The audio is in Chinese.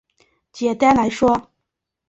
简单来说